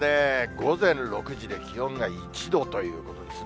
午前６時で気温が１度ということですね。